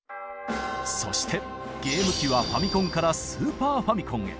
そしてゲーム機はファミコンからスーパーファミコンへ。